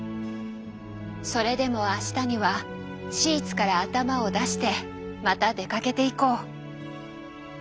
それでもあしたにはシーツから頭を出してまた出かけていこう。